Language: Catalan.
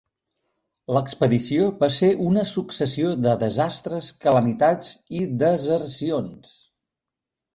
L'expedició va ser una successió de desastres, calamitats i desercions.